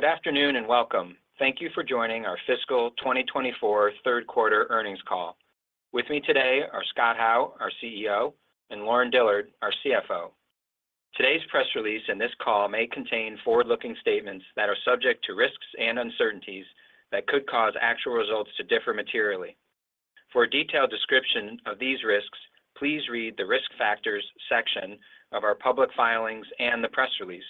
Good afternoon and welcome. Thank you for joining our fiscal 2024 Q3 earnings call. With me today are Scott Howe, our CEO, and Lauren Dillard, our CFO. Today's press release and this call may contain forward-looking statements that are subject to risks and uncertainties that could cause actual results to differ materially. For a detailed description of these risks, please read the Risk Factors section of our public filings and the press release.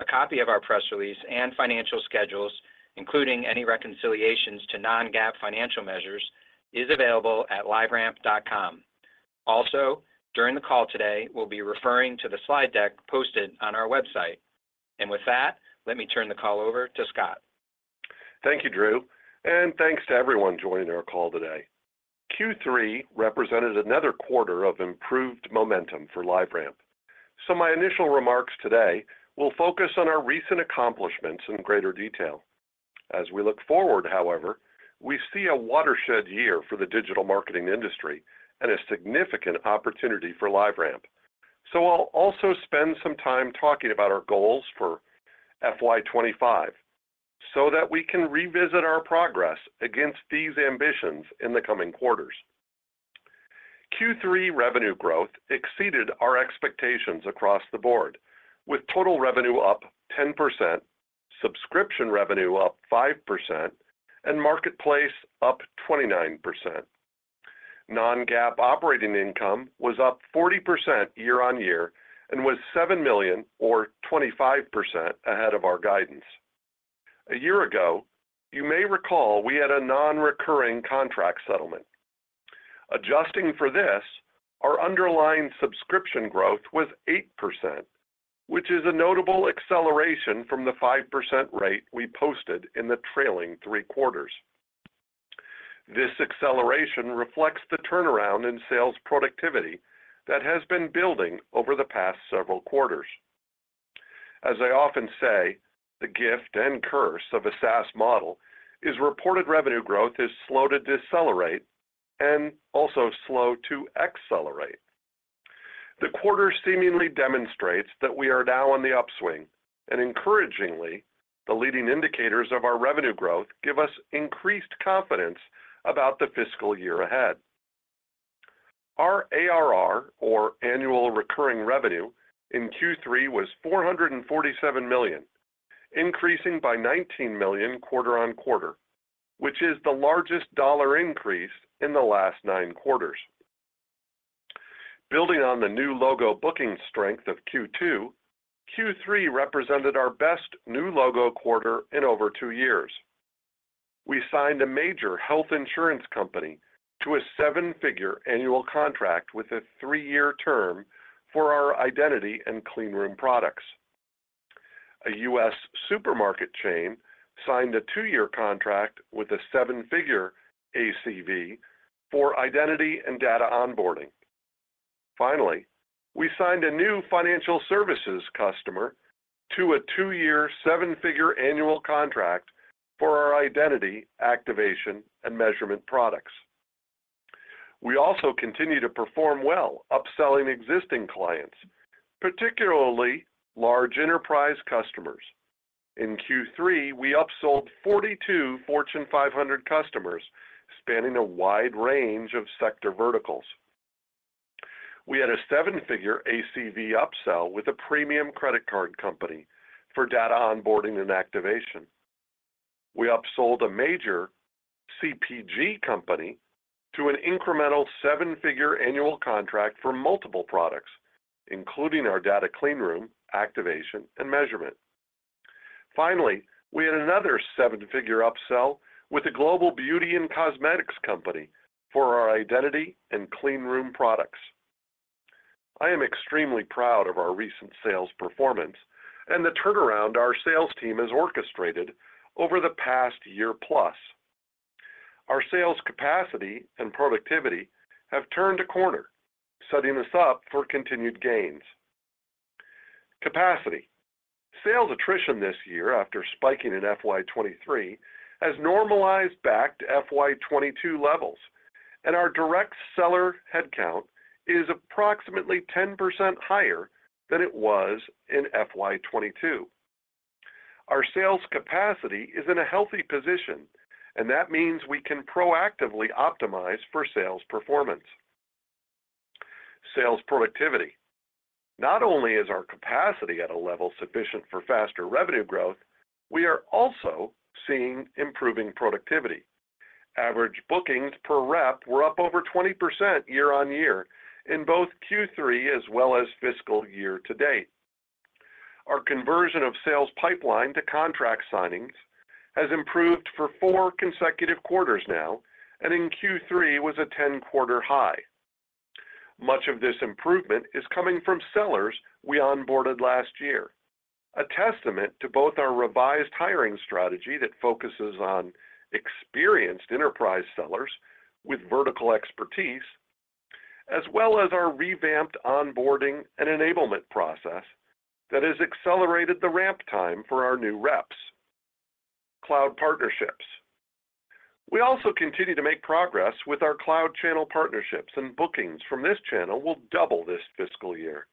A copy of our press release and financial schedules, including any reconciliations to non-GAAP financial measures, is available at liveramp.com. Also, during the call today, we'll be referring to the slide deck posted on our website. With that, let me turn the call over to Scott. Thank you, Drew. And thanks to everyone joining our call today. Q3 represented another quarter of improved momentum for LiveRamp, so my initial remarks today will focus on our recent accomplishments in greater detail. As we look forward, however, we see a watershed year for the digital marketing industry and a significant opportunity for LiveRamp, so I'll also spend some time talking about our goals for Fiscal year 2025 so that we can revisit our progress against these ambitions in the coming quarters. Q3 revenue growth exceeded our expectations across the board, with total revenue up 10%, subscription revenue up 5%, and marketplace up 29%. Non-GAAP operating income was up 40% year-over-year and was $7 million or 25% ahead of our guidance. A year ago, you may recall we had a non-recurring contract settlement. Adjusting for this, our underlying subscription growth was 8%, which is a notable acceleration from the 5% rate we posted in the trailing three quarters. This acceleration reflects the turnaround in sales productivity that has been building over the past several quarters. As I often say, the gift and curse of a SaaS model is reported revenue growth is slow to decelerate and also slow to accelerate. The quarter seemingly demonstrates that we are now on the upswing, and encouragingly, the leading indicators of our revenue growth give us increased confidence about the fiscal year ahead. Our ARR, or annual recurring revenue, in Q3 was $447 million, increasing by $19 million quarter-over-quarter, which is the largest dollar increase in the last nine quarters. Building on the new logo booking strength of Q2, Q3 represented our best new logo quarter in over two years. We signed a major health insurance company to a seven-figure annual contract with a three-year term for our identity and clean room products. A U.S. supermarket chain signed a two-year contract with a seven-figure ACV for identity and data onboarding. Finally, we signed a new financial services customer to a two-year seven-figure annual contract for our identity activation and measurement products. We also continue to perform well upselling existing clients, particularly large enterprise customers. In Q3, we upsold 42 Fortune 500 customers spanning a wide range of sector verticals. We had a seven-figure ACV upsell with a premium credit card company for data onboarding and activation. We upsold a major CPG company to an incremental seven-figure annual contract for multiple products, including our data clean room, activation, and measurement. Finally, we had another seven-figure upsell with a global beauty and cosmetics company for our identity and clean room products. I am extremely proud of our recent sales performance and the turnaround our sales team has orchestrated over the past year-plus. Our sales capacity and productivity have turned a corner, setting us up for continued gains. Capacity: sales attrition this year after spiking in FY 2023 has normalized back to FY 2022 levels, and our direct seller headcount is approximately 10% higher than it was in FY 2022. Our sales capacity is in a healthy position, and that means we can proactively optimize for sales performance. Sales productivity: not only is our capacity at a level sufficient for faster revenue growth, we are also seeing improving productivity. Average bookings per rep were up over 20% year-over-year in both Q3 as well as fiscal year to date. Our conversion of sales pipeline to contract signings has improved for four consecutive quarters now, and in Q3 was a 10-quarter high. Much of this improvement is coming from sellers we onboarded last year, a testament to both our revised hiring strategy that focuses on experienced enterprise sellers with vertical expertise, as well as our revamped onboarding and enablement process that has accelerated the ramp time for our new reps. Cloud partnerships: we also continue to make progress with our cloud channel partnerships, and bookings from this channel will double this fiscal year.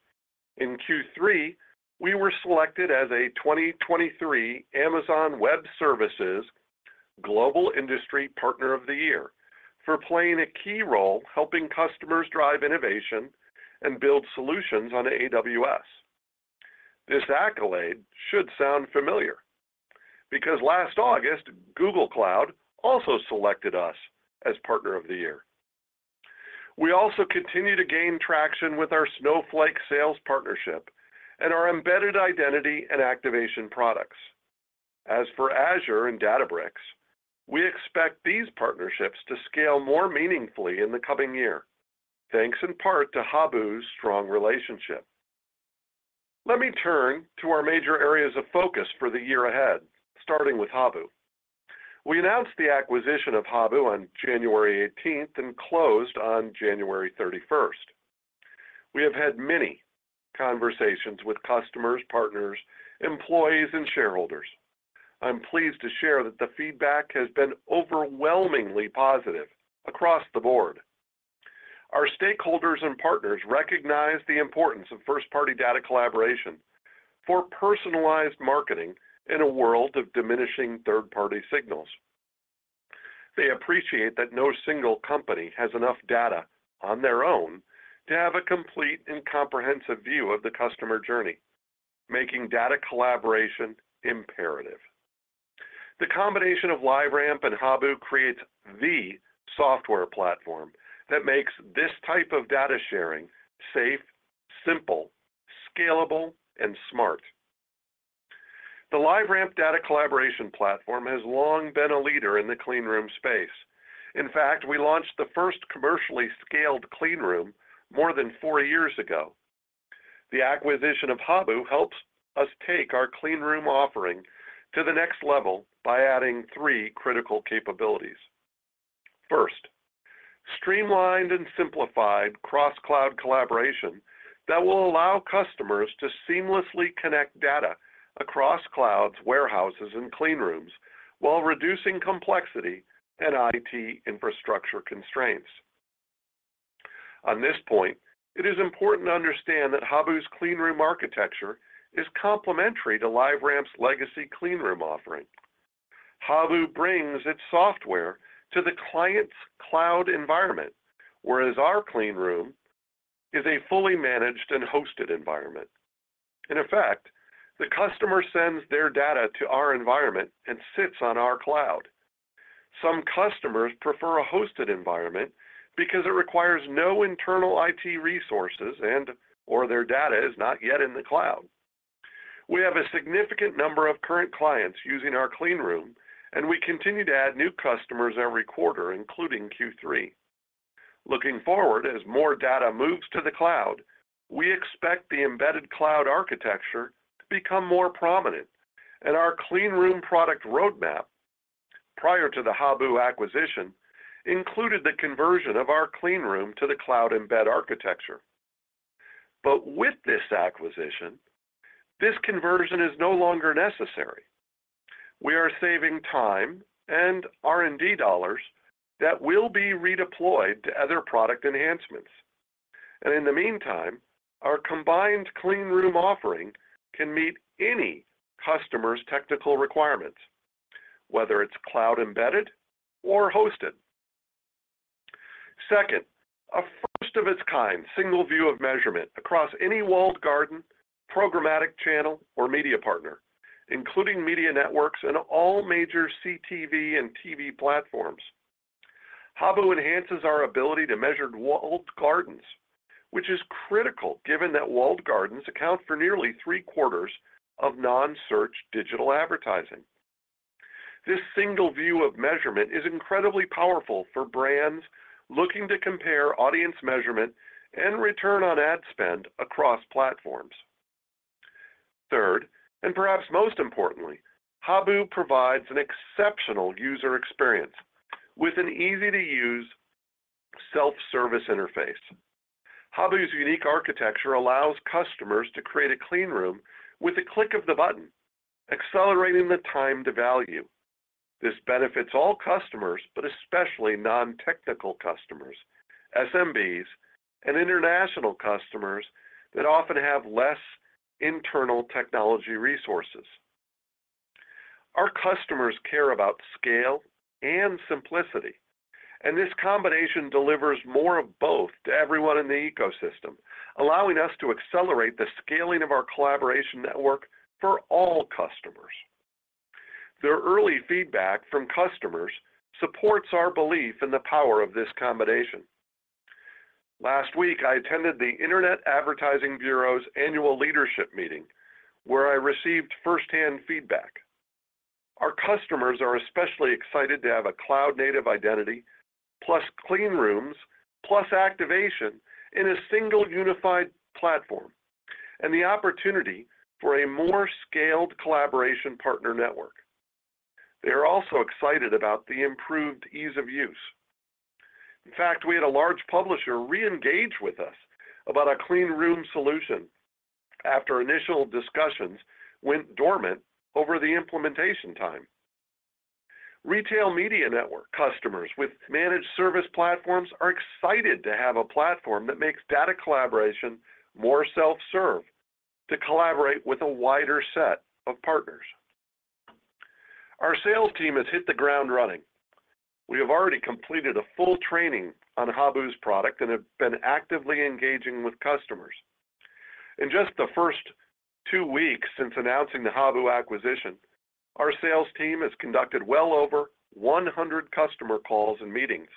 In Q3, we were selected as a 2023 Amazon Web Services Global Industry Partner of the Year for playing a key role helping customers drive innovation and build solutions on AWS. This accolade should sound familiar because last August, Google Cloud also selected us as Partner of the Year. We also continue to gain traction with our Snowflake sales partnership and our embedded identity and activation products. As for Azure and Databricks, we expect these partnerships to scale more meaningfully in the coming year, thanks in part to Habu's strong relationship. Let me turn to our major areas of focus for the year ahead, starting with Habu. We announced the acquisition of Habu on January 18th and closed on January 31st. We have had many conversations with customers, partners, employees, and shareholders. I'm pleased to share that the feedback has been overwhelmingly positive across the board. Our stakeholders and partners recognize the importance of first-party data collaboration for personalized marketing in a world of diminishing third-party signals. They appreciate that no single company has enough data on their own to have a complete and comprehensive view of the customer journey, making data collaboration imperative. The combination of LiveRamp and Habu creates the software platform that makes this type of data sharing safe, simple, scalable, and smart. The LiveRamp data collaboration platform has long been a leader in the clean room space. In fact, we launched the first commercially scaled clean room more than four years ago. The acquisition of Habu helps us take our clean room offering to the next level by adding three critical capabilities. First, streamlined and simplified cross-cloud collaboration that will allow customers to seamlessly connect data across clouds, warehouses, and clean rooms while reducing complexity and IT infrastructure constraints. On this point, it is important to understand that Habu's clean room architecture is complementary to LiveRamp's legacy clean room offering. Habu brings its software to the client's cloud environment, whereas our clean room is a fully managed and hosted environment. In effect, the customer sends their data to our environment and sits on our cloud. Some customers prefer a hosted environment because it requires no internal IT resources and/or their data is not yet in the cloud. We have a significant number of current clients using our cleanroom, and we continue to add new customers every quarter, including Q3. Looking forward, as more data moves to the cloud, we expect the embedded cloud architecture to become more prominent, and our cleanroom product roadmap, prior to the Habu acquisition, included the conversion of our cleanroom to the cloud embed architecture. But with this acquisition, this conversion is no longer necessary. We are saving time and R&D dollars that will be redeployed to other product enhancements. And in the meantime, our combined cleanroom offering can meet any customer's technical requirements, whether it's cloud embedded or hosted. Second, a first-of-its-kind single view of measurement across any walled garden, programmatic channel, or media partner, including media networks and all major CTV and TV platforms. Habu enhances our ability to measure walled gardens, which is critical given that walled gardens account for nearly three-quarters of non-search digital advertising. This single view of measurement is incredibly powerful for brands looking to compare audience measurement and return on ad spend across platforms. Third, and perhaps most importantly, Habu provides an exceptional user experience with an easy-to-use self-service interface. Habu's unique architecture allows customers to create a clean room with a click of the button, accelerating the time to value. This benefits all customers, but especially non-technical customers, SMBs, and international customers that often have less internal technology resources. Our customers care about scale and simplicity, and this combination delivers more of both to everyone in the ecosystem, allowing us to accelerate the scaling of our collaboration network for all customers. The early feedback from customers supports our belief in the power of this combination. Last week, I attended the Interactive Advertising Bureau's annual leadership meeting, where I received firsthand feedback. Our customers are especially excited to have a cloud-native identity, plus cleanrooms, plus activation in a single unified platform, and the opportunity for a more scaled collaboration partner network. They are also excited about the improved ease of use. In fact, we had a large publisher re-engage with us about a cleanroom solution after initial discussions went dormant over the implementation time. Retail Media Network customers with managed service platforms are excited to have a platform that makes data collaboration more self-serve to collaborate with a wider set of partners. Our sales team has hit the ground running. We have already completed a full training on Habu's product and have been actively engaging with customers. In just the first two weeks since announcing the Habu acquisition, our sales team has conducted well over 100 customer calls and meetings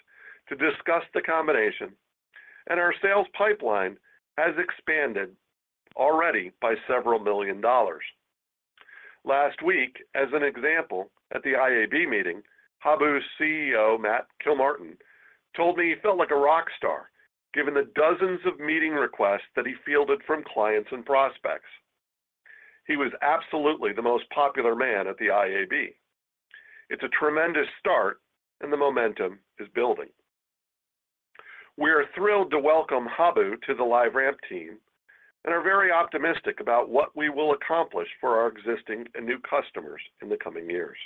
to discuss the combination, and our sales pipeline has expanded already by several million dollars. Last week, as an example, at the IAB meeting, Habu's CEO, Matt Kilmartin, told me he felt like a rock star given the dozens of meeting requests that he fielded from clients and prospects. He was absolutely the most popular man at the IAB. It's a tremendous start, and the momentum is building. We are thrilled to welcome Habu to the LiveRamp team and are very optimistic about what we will accomplish for our existing and new customers in the coming years.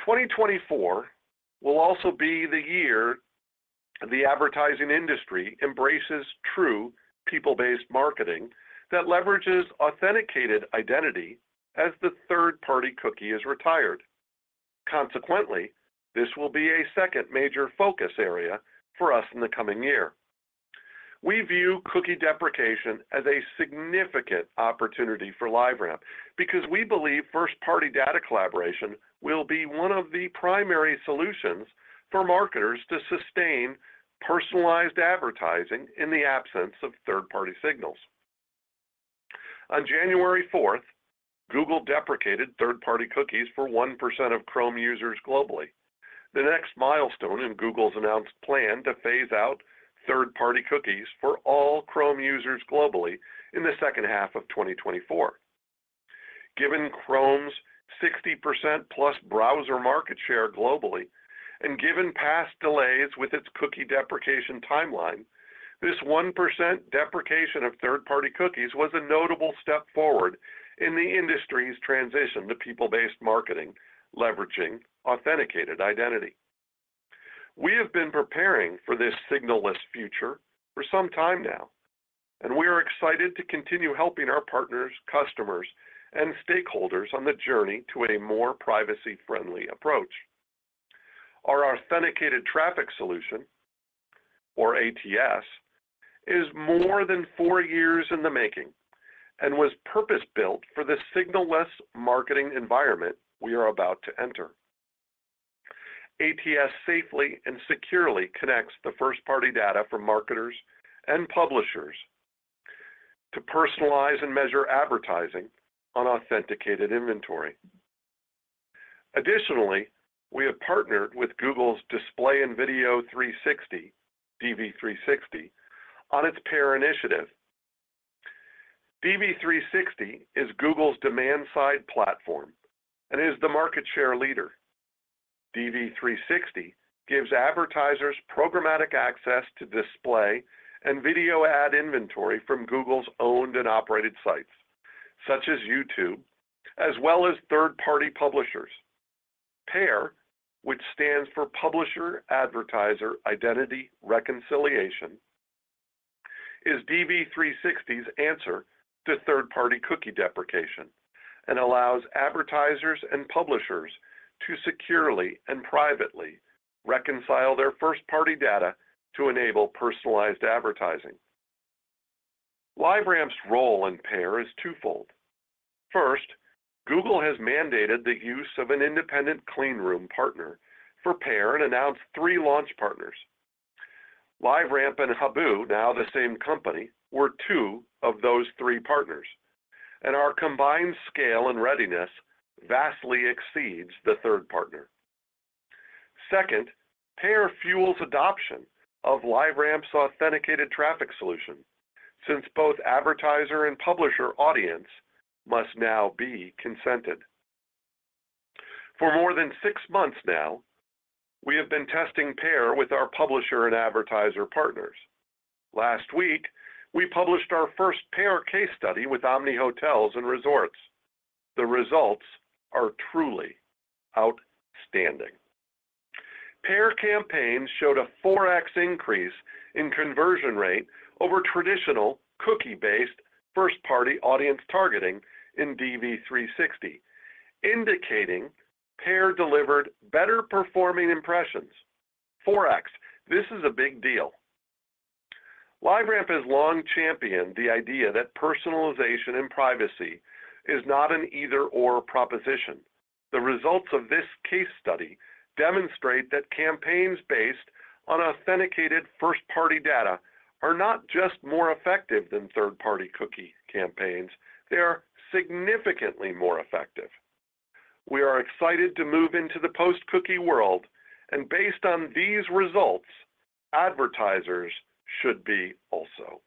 2024 will also be the year the advertising industry embraces true people-based marketing that leverages authenticated identity as the third-party cookie is retired. Consequently, this will be a second major focus area for us in the coming year. We view cookie deprecation as a significant opportunity for LiveRamp because we believe first-party data collaboration will be one of the primary solutions for marketers to sustain personalized advertising in the absence of third-party signals. On January 4th, Google deprecated third-party cookies for 1% of Chrome users globally, the next milestone in Google's announced plan to phase out third-party cookies for all Chrome users globally in the second half of 2024. Given Chrome's 60%-plus browser market share globally and given past delays with its cookie deprecation timeline, this 1% deprecation of third-party cookies was a notable step forward in the industry's transition to people-based marketing leveraging authenticated identity. We have been preparing for this signal-less future for some time now, and we are excited to continue helping our partners, customers, and stakeholders on the journey to a more privacy-friendly approach. Our authenticated traffic solution, or ATS, is more than four years in the making and was purpose-built for the signal-less marketing environment we are about to enter. ATS safely and securely connects the first-party data from marketers and publishers to personalize and measure advertising on authenticated inventory. Additionally, we have partnered with Google's Display & Video 360, DV360, on its PAIR initiative. DV360 is Google's demand-side platform and is the market share leader. DV360 gives advertisers programmatic access to display and video ad inventory from Google's owned and operated sites, such as YouTube, as well as third-party publishers. PAIR, which stands for Publisher Advertiser Identity Reconciliation, is DV360's answer to third-party cookie deprecation and allows advertisers and publishers to securely and privately reconcile their first-party data to enable personalized advertising. LiveRamp's role in PAIR is twofold. First, Google has mandated the use of an independent clean room partner for PAIR and announced three launch partners. LiveRamp and Habu, now the same company, were two of those three partners, and our combined scale and readiness vastly exceeds the third partner. Second, PAIR fuels adoption of LiveRamp's authenticated traffic solution since both advertiser and publisher audience must now be consented. For more than six months now, we have been testing PAIR with our publisher and advertiser partners. Last week, we published our first PAIR case study with Omni Hotels & Resorts. The results are truly outstanding. PAIR campaigns showed a 4x increase in conversion rate over traditional cookie-based first-party audience targeting in DV360, indicating PAIR delivered better-performing impressions. 4x. This is a big deal. LiveRamp has long championed the idea that personalization and privacy is not an either/or proposition. The results of this case study demonstrate that campaigns based on authenticated first-party data are not just more effective than third-party cookie campaigns. They are significantly more effective. We are excited to move into the post-cookie world, and based on these results, advertisers should be also.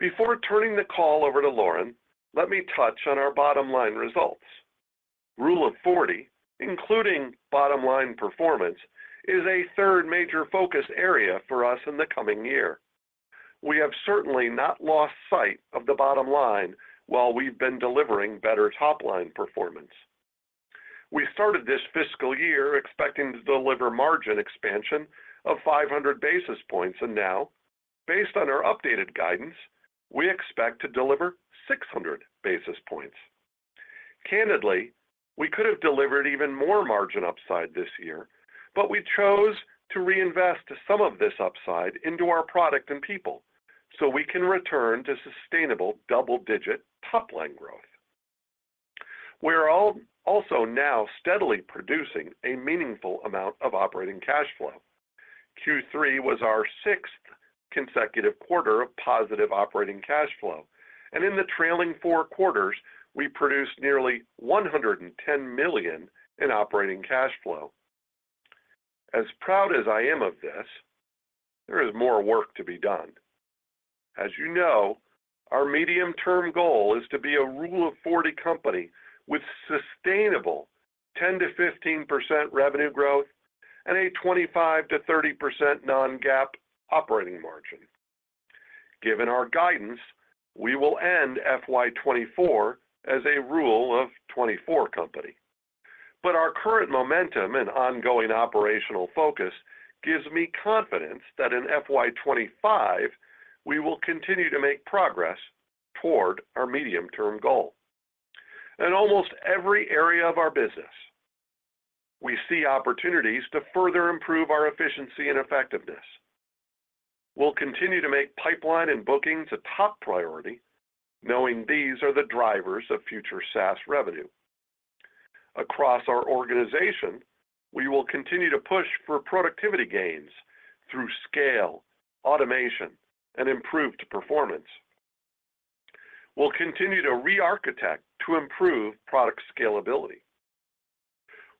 Before turning the call over to Lauren, let me touch on our bottom-line results. Rule of 40, including bottom-line performance, is a third major focus area for us in the coming year. We have certainly not lost sight of the bottom line while we've been delivering better top-line performance. We started this fiscal year expecting to deliver margin expansion of 500 basis points, and now, based on our updated guidance, we expect to deliver 600 basis points. Candidly, we could have delivered even more margin upside this year, but we chose to reinvest some of this upside into our product and people so we can return to sustainable double-digit top-line growth. We are also now steadily producing a meaningful amount of operating cash flow. Q3 was our sixth consecutive quarter of positive operating cash flow, and in the trailing four quarters, we produced nearly $110 million in operating cash flow. As proud as I am of this, there is more work to be done. As you know, our medium-term goal is to be a Rule of 40 company with sustainable 10%-15% revenue growth and a 25%-30% non-GAAP operating margin. Given our guidance, we will end FY 2024 as a Rule of 24 company. But our current momentum and ongoing operational focus gives me confidence that in FY 2025, we will continue to make progress toward our medium-term goal. In almost every area of our business, we see opportunities to further improve our efficiency and effectiveness. We'll continue to make pipeline and bookings a top priority, knowing these are the drivers of future SaaS revenue. Across our organization, we will continue to push for productivity gains through scale, automation, and improved performance. We'll continue to re-architect to improve product scalability.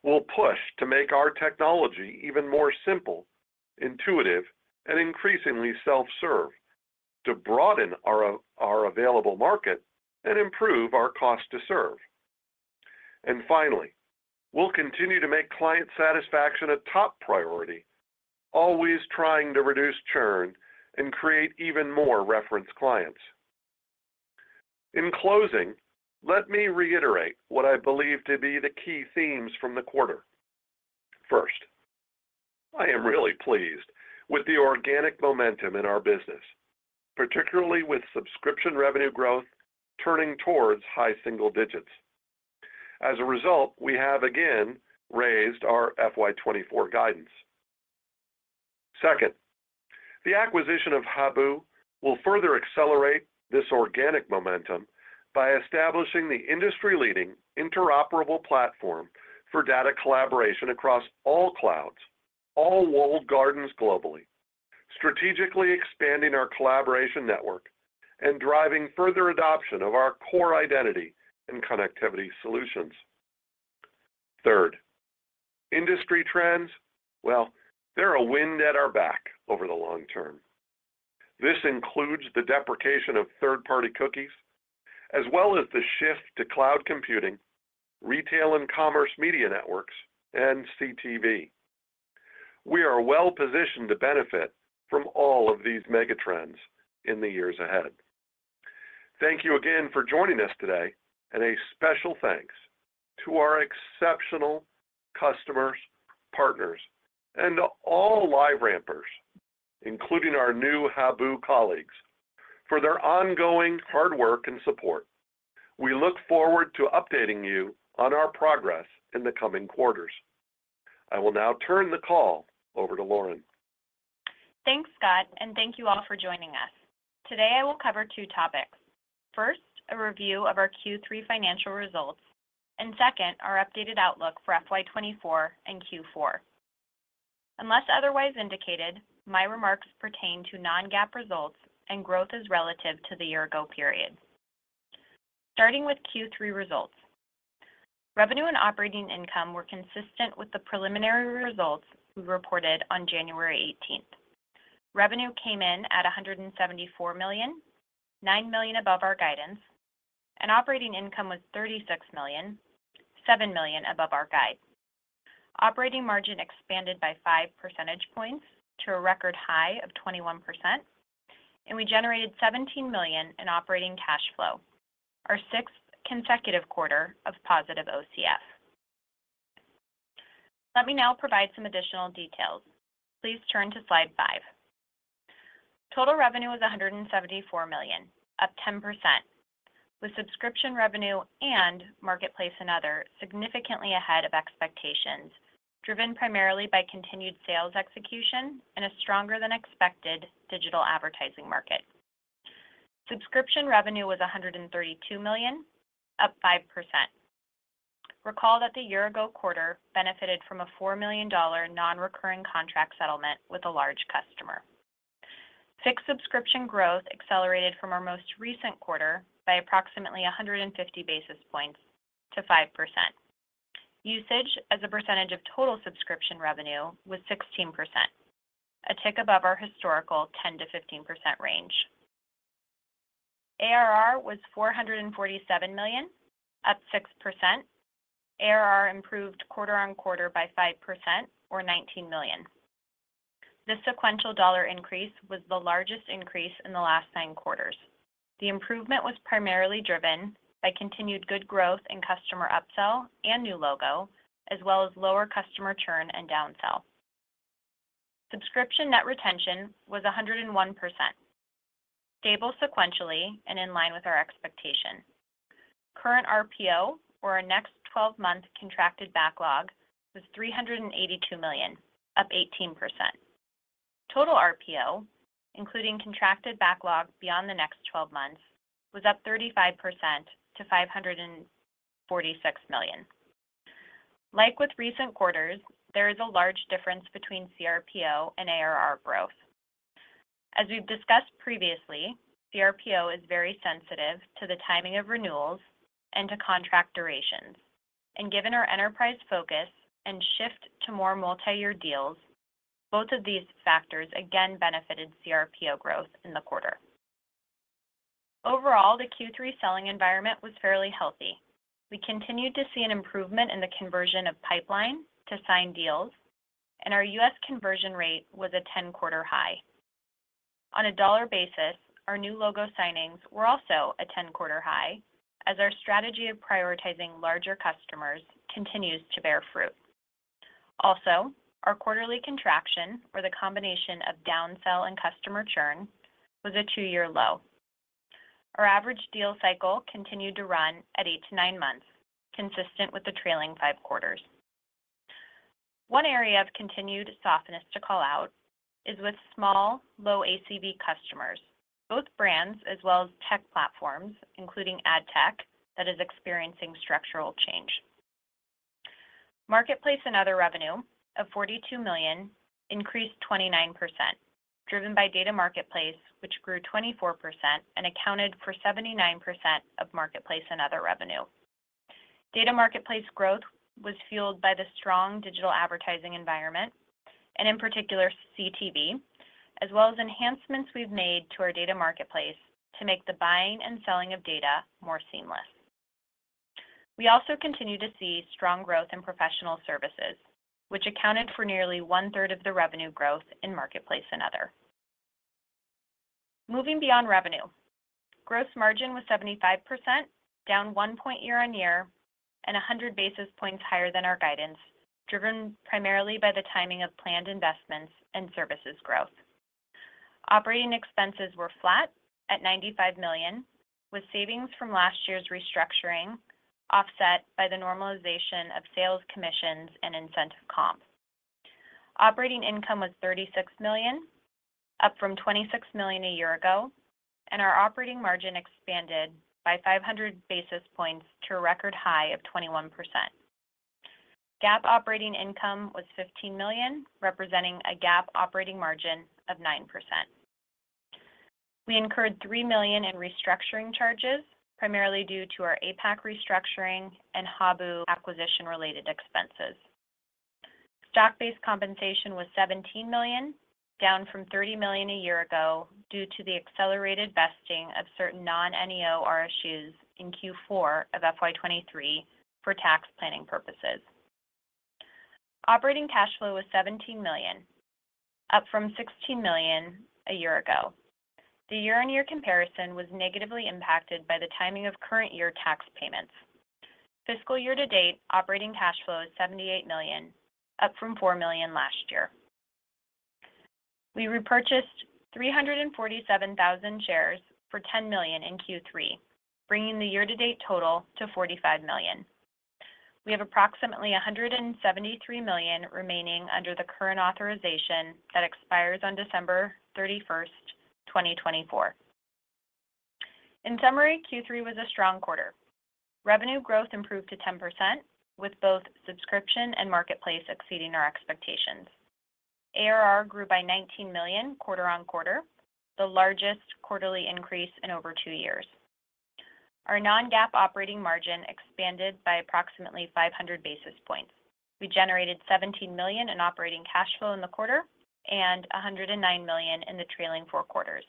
We'll push to make our technology even more simple, intuitive, and increasingly self-serve to broaden our available market and improve our cost to serve. And finally, we'll continue to make client satisfaction a top priority, always trying to reduce churn and create even more reference clients. In closing, let me reiterate what I believe to be the key themes from the quarter. First, I am really pleased with the organic momentum in our business, particularly with subscription revenue growth turning towards high single digits. As a result, we have, again, raised our FY2024 guidance. Second, the acquisition of Habu will further accelerate this organic momentum by establishing the industry-leading interoperable platform for data collaboration across all clouds, all walled gardens globally, strategically expanding our collaboration network, and driving further adoption of our core identity and connectivity solutions. Third, industry trends, well, they're a wind at our back over the long term. This includes the deprecation of third-party cookies, as well as the shift to cloud computing, retail and commerce media networks, and CTV. We are well positioned to benefit from all of these megatrends in the years ahead. Thank you again for joining us today, and a special thanks to our exceptional customers, partners, and to all LiveRampers, including our new Habu colleagues, for their ongoing hard work and support. We look forward to updating you on our progress in the coming quarters. I will now turn the call over to Lauren. Thanks, Scott, and thank you all for joining us. Today, I will cover two topics: first, a review of our Q3 financial results; and second, our updated outlook for FY 2024 and Q4. Unless otherwise indicated, my remarks pertain to non-GAAP results, and growth is relative to the year-ago period. Starting with Q3 results. Revenue and operating income were consistent with the preliminary results we reported on January 18th. Revenue came in at $174 million, $9 million above our guidance, and operating income was $36 million, $7 million above our guide. Operating margin expanded by 5 percentage points to a record high of 21%, and we generated $17 million in operating cash flow, our sixth consecutive quarter of positive OCF. Let me now provide some additional details. Please turn to slide five. Total revenue was $174 million, up 10%, with subscription revenue and marketplace and other significantly ahead of expectations, driven primarily by continued sales execution and a stronger-than-expected digital advertising market. Subscription revenue was $132 million, up 5%. Recall that the year-ago quarter benefited from a $4 million non-recurring contract settlement with a large customer. Fixed subscription growth accelerated from our most recent quarter by approximately 150 basis points to 5%. Usage, as a percentage of total subscription revenue, was 16%, a tick above our historical 10%-15% range. ARR was $447 million, up 6%. ARR improved quarter-over-quarter by 5%, or $19 million. This sequential dollar increase was the largest increase in the last nine quarters. The improvement was primarily driven by continued good growth in customer upsell and new logo, as well as lower customer churn and downsell. Subscription net retention was 101%, stable sequentially and in line with our expectation. Current RPO, or our next 12-month contracted backlog, was $382 million, up 18%. Total RPO, including contracted backlog beyond the next 12 months, was up 35% to $546 million. Like with recent quarters, there is a large difference between CRPO and ARR growth. As we've discussed previously, CRPO is very sensitive to the timing of renewals and to contract durations, and given our enterprise focus and shift to more multi-year deals, both of these factors again benefited CRPO growth in the quarter. Overall, the Q3 selling environment was fairly healthy. We continued to see an improvement in the conversion of pipeline to sign deals, and our U.S. conversion rate was a 10-quarter high. On a dollar basis, our new logo signings were also a 10-quarter high, as our strategy of prioritizing larger customers continues to bear fruit. Also, our quarterly contraction, or the combination of downsell and customer churn, was a two-year low. Our average deal cycle continued to run at eight to nine months, consistent with the trailing five quarters. One area of continued softness to call out is with small, low-ACV customers, both brands as well as tech platforms, including AdTech, that is experiencing structural change. Marketplace and other revenue, of $42 million, increased 29%, driven by Data Marketplace, which grew 24% and accounted for 79% of marketplace and other revenue. Data Marketplace growth was fueled by the strong digital advertising environment, and in particular, CTV, as well as enhancements we've made to our Data Marketplace to make the buying and selling of data more seamless. We also continue to see strong growth in professional services, which accounted for nearly one-third of the revenue growth in marketplace and other. Moving beyond revenue, gross margin was 75%, down one point year-on-year and 100 basis points higher than our guidance, driven primarily by the timing of planned investments and services growth. Operating expenses were flat at $95 million, with savings from last year's restructuring offset by the normalization of sales commissions and incentive comp. Operating income was $36 million, up from $26 million a year ago, and our operating margin expanded by 500 basis points to a record high of 21%. GAAP operating income was $15 million, representing a GAAP operating margin of 9%. We incurred $3 million in restructuring charges, primarily due to our APAC restructuring and Habu acquisition-related expenses. Stock-based compensation was $17 million, down from $30 million a year ago due to the accelerated vesting of certain non-NEO RSUs in Q4 of FY 2023 for tax planning purposes. Operating cash flow was $17 million, up from $16 million a year ago. The year-on-year comparison was negatively impacted by the timing of current year tax payments. Fiscal year to date, operating cash flow is $78 million, up from $4 million last year. We repurchased 347,000 shares for $10 million in Q3, bringing the year-to-date total to $45 million. We have approximately $173 million remaining under the current authorization that expires on December 31st, 2024. In summary, Q3 was a strong quarter. Revenue growth improved to 10%, with both subscription and marketplace exceeding our expectations. ARR grew by $19 million quarter-on-quarter, the largest quarterly increase in over two years. Our non-GAAP operating margin expanded by approximately 500 basis points. We generated $17 million in operating cash flow in the quarter and $109 million in the trailing four quarters.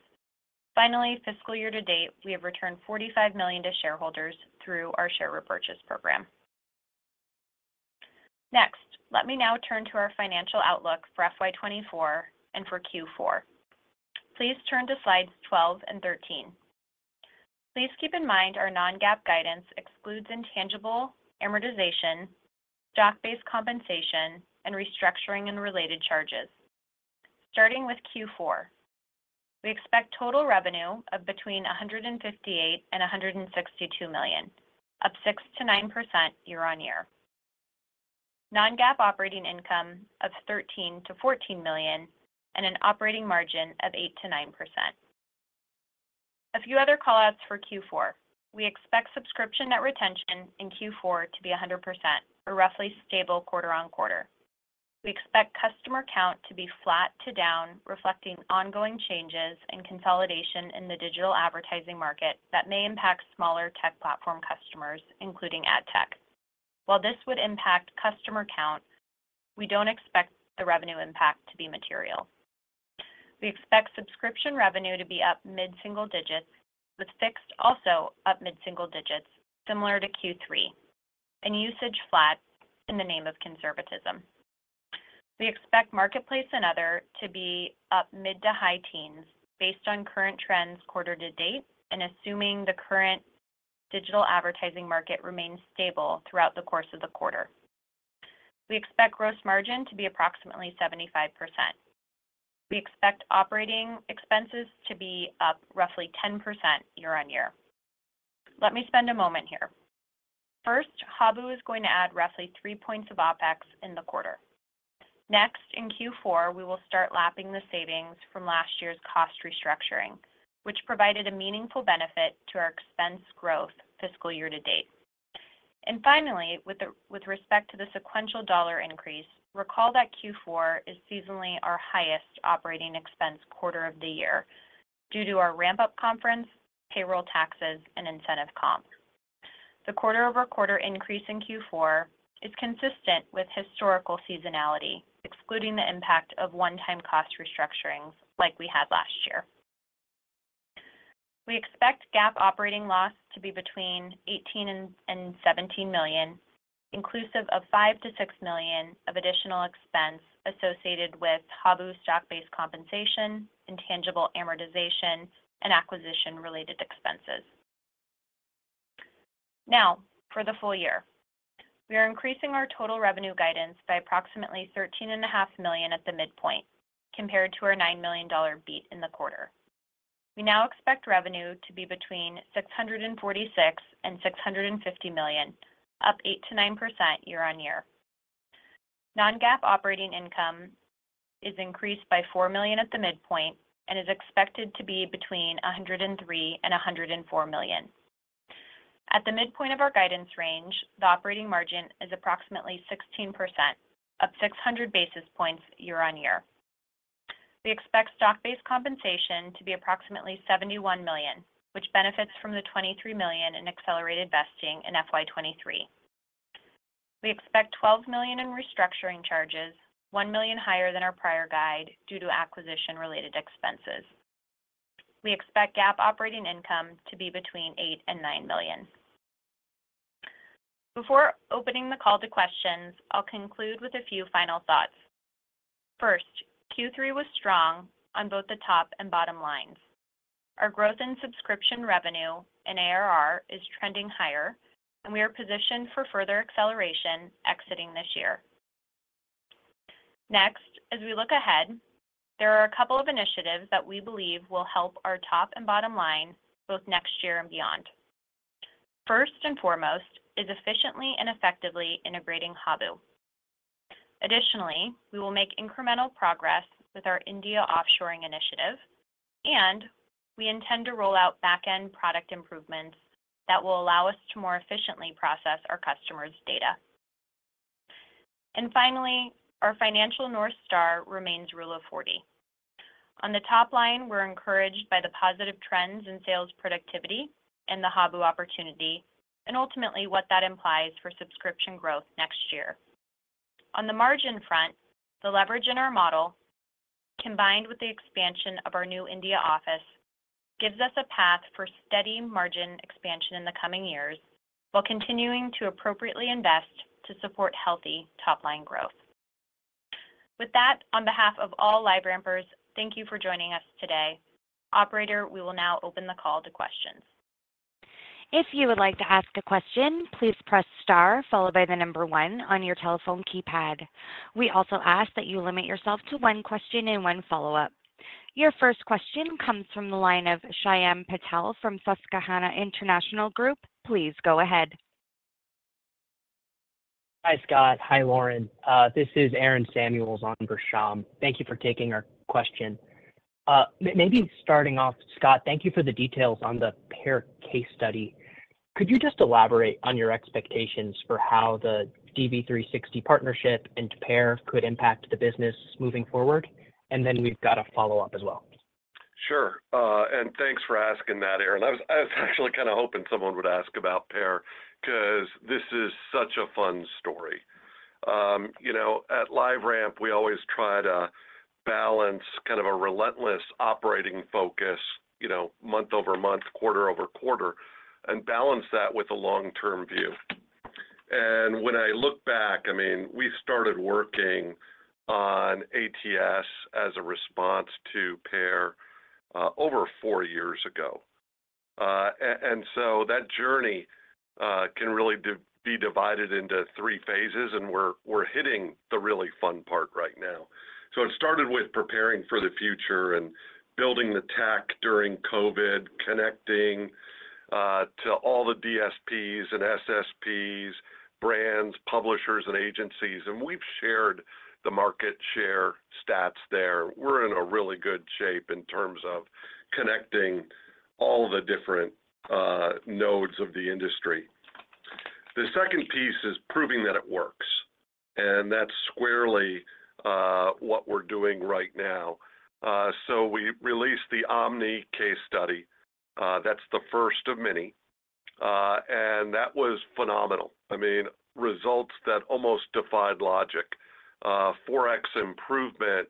Finally, fiscal year to date, we have returned $45 million to shareholders through our share repurchase program. Next, let me now turn to our financial outlook for FY 2024 and for Q4. Please turn to slides 12 and 13. Please keep in mind our non-GAAP guidance excludes intangible amortization, stock-based compensation, and restructuring and related charges. Starting with Q4, we expect total revenue of between $158 million and $162 million, up 6%-9% year-on-year. Non-GAAP operating income of $13 million-$14 million and an operating margin of 8%-9%. A few other callouts for Q4. We expect subscription net retention in Q4 to be 100%, or roughly stable quarter on quarter. We expect customer count to be flat to down, reflecting ongoing changes and consolidation in the digital advertising market that may impact smaller tech platform customers, including AdTech. While this would impact customer count, we don't expect the revenue impact to be material. We expect subscription revenue to be up mid-single digits, with fixed also up mid-single digits, similar to Q3, and usage flat in the name of conservatism. We expect marketplace and other to be up mid to high teens based on current trends quarter to date, and assuming the current digital advertising market remains stable throughout the course of the quarter. We expect gross margin to be approximately 75%. We expect operating expenses to be up roughly 10% year-on-year. Let me spend a moment here. First, Habu is going to add roughly three points of OPEX in the quarter. Next, in Q4, we will start lapping the savings from last year's cost restructuring, which provided a meaningful benefit to our expense growth fiscal year to date. And finally, with respect to the sequential dollar increase, recall that Q4 is seasonally our highest operating expense quarter of the year due to our RampUp conference, payroll taxes, and incentive comp. The quarter-over-quarter increase in Q4 is consistent with historical seasonality, excluding the impact of one-time cost restructurings like we had last year. We expect GAAP operating loss to be between $18 million and $17 million, inclusive of $5 million-$6 million of additional expense associated with Habu stock-based compensation, intangible amortization, and acquisition-related expenses. Now, for the full year, we are increasing our total revenue guidance by approximately $13.5 million at the midpoint, compared to our $9 million beat in the quarter. We now expect revenue to be between $646-$650 million, up 8%-9% year-over-year. Non-GAAP operating income is increased by $4 million at the midpoint and is expected to be between $103-$104 million. At the midpoint of our guidance range, the operating margin is approximately 16%, up 600 basis points year-over-year. We expect stock-based compensation to be approximately $71 million, which benefits from the $23 million in accelerated vesting in FY2023. We expect $12 million in restructuring charges, $1 million higher than our prior guide due to acquisition-related expenses. We expect GAAP operating income to be between $8-$9 million. Before opening the call to questions, I'll conclude with a few final thoughts. First, Q3 was strong on both the top and bottom lines. Our growth in subscription revenue and ARR is trending higher, and we are positioned for further acceleration exiting this year. Next, as we look ahead, there are a couple of initiatives that we believe will help our top and bottom line both next year and beyond. First and foremost is efficiently and effectively integrating Habu. Additionally, we will make incremental progress with our India offshoring initiative, and we intend to roll out backend product improvements that will allow us to more efficiently process our customers' data. And finally, our financial North Star remains Rule of 40. On the top line, we're encouraged by the positive trends in sales productivity and the Habu opportunity, and ultimately what that implies for subscription growth next year. On the margin front, the leverage in our model, combined with the expansion of our new India office, gives us a path for steady margin expansion in the coming years while continuing to appropriately invest to support healthy top-line growth. With that, on behalf of all LiveRampers, thank you for joining us today. Operator, we will now open the call to questions. If you would like to ask a question, please press star followed by the number one on your telephone keypad. We also ask that you limit yourself to one question and one follow-up. Your first question comes from the line of Shyam Patel from Susquehanna International Group. Please go ahead. Hi, Scott. Hi, Lauren. This is Aaron Samuels on for Shyam. Thank you for taking our question. Maybe starting off, Scott, thank you for the details on the PAIR case study. Could you just elaborate on your expectations for how the DV360 partnership and PAIR could impact the business moving forward? And then we've got a follow-up as well. Sure. And thanks for asking that, Aaron. I was actually kind of hoping someone would ask about PAIR because this is such a fun story. At LiveRamp, we always try to balance kind of a relentless operating focus month-over-month, quarter-over-quarter, and balance that with a long-term view. And when I look back, I mean, we started working on ATS as a response to PAIR over four years ago. And so that journey can really be divided into three phases, and we're hitting the really fun part right now. So it started with preparing for the future and building the tech during COVID, connecting to all the DSPs and SSPs, brands, publishers, and agencies. We've shared the market share stats there. We're in a really good shape in terms of connecting all the different nodes of the industry. The second piece is proving that it works. That's squarely what we're doing right now. We released the Omni case study. That's the first of many. That was phenomenal. I mean, results that almost defied logic, 4x improvement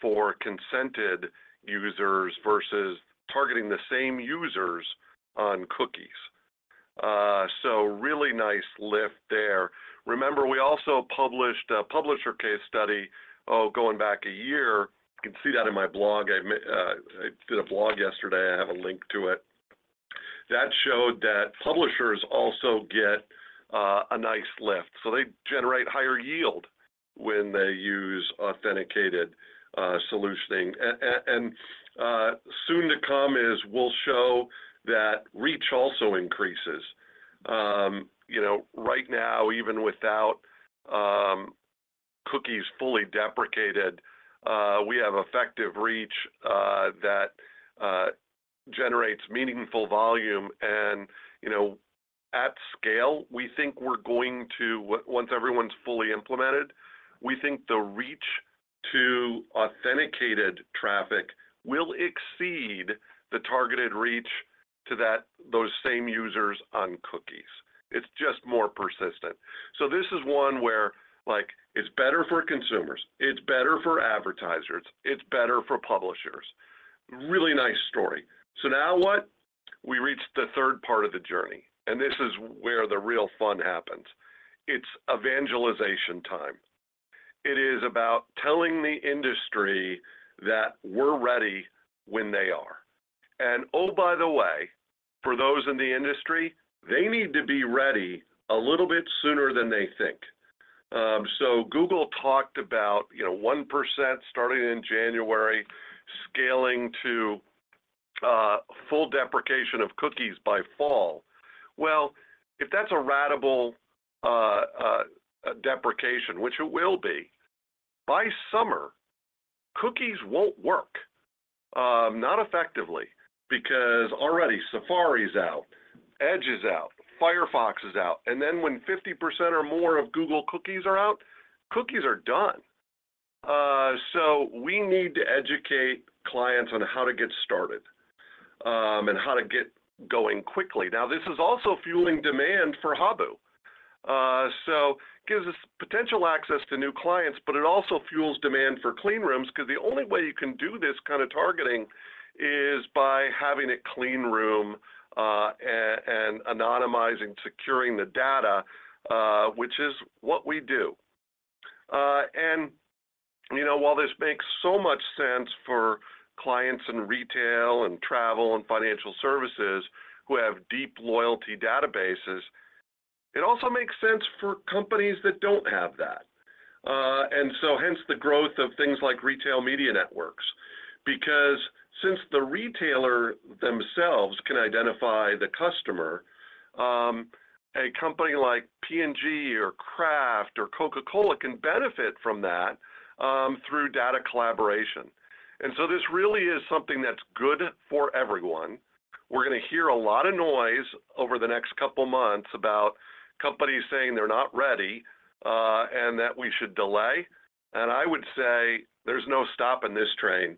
for consented users versus targeting the same users on cookies. Really nice lift there. Remember, we also published a publisher case study, oh, going back a year. You can see that in my blog. I did a blog yesterday. I have a link to it. That showed that publishers also get a nice lift. They generate higher yield when they use authenticated solutioning. Soon to come is we'll show that reach also increases. Right now, even without cookies fully deprecated, we have effective reach that generates meaningful volume. At scale, we think we're going to once everyone's fully implemented, we think the reach to authenticated traffic will exceed the targeted reach to those same users on cookies. It's just more persistent. So this is one where it's better for consumers. It's better for advertisers. It's better for publishers. Really nice story. So now what? We reached the third part of the journey. And this is where the real fun happens. It's evangelization time. It is about telling the industry that we're ready when they are. And oh, by the way, for those in the industry, they need to be ready a little bit sooner than they think. So Google talked about 1% starting in January, scaling to full deprecation of cookies by fall. Well, if that's a ratable deprecation, which it will be, by summer, cookies won't work, not effectively, because already Safari's out, Edge is out, Firefox is out. And then when 50% or more of Google cookies are out, cookies are done. So we need to educate clients on how to get started and how to get going quickly. Now, this is also fueling demand for Habu. So it gives us potential access to new clients, but it also fuels demand for clean rooms because the only way you can do this kind of targeting is by having it clean room and anonymizing, securing the data, which is what we do. And while this makes so much sense for clients in retail and travel and financial services who have deep loyalty databases, it also makes sense for companies that don't have that. And so hence the growth of things like retail media networks because since the retailer themselves can identify the customer, a company like P&G or Kraft or Coca-Cola can benefit from that through data collaboration. And so this really is something that's good for everyone. We're going to hear a lot of noise over the next couple of months about companies saying they're not ready and that we should delay. And I would say there's no stop in this train